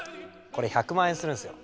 これ１００万円するんですよ。